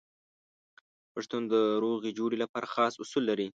پښتون د روغې جوړې لپاره خاص اصول لري.